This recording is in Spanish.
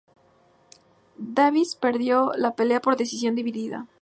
Davis perdió la pelea por decisión dividida.